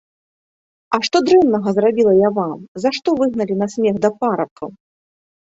А што дрэннага зрабіла я вам, за што выгналі на смех да парабкаў!